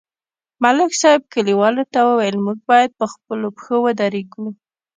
ملک صاحب کلیوالو ته وویل: موږ باید په خپلو پښو ودرېږو